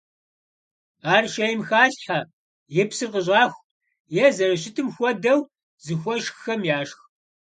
Ар шейм халъхьэ, и псыр къыщӏаху, е зэрыщытым хуэдэу зыхуэшххэм яшх.